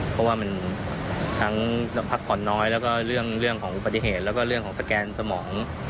เพราะว่ามันทั้งพักผ่อนน้อยแล้วก็เรื่องของอุบัติเหตุแล้วก็เรื่องของสแกนสมอง